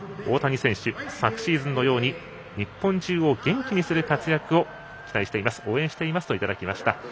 大谷選手、昨シーズンのように日本中を元気にする活躍を期待しています応援していますといただきました。